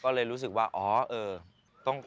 ก็เลยรู้สึกว่าอ๋อเออ